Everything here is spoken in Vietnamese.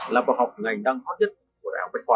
là bậc học ngành đang hot nhất của đại học bách khoa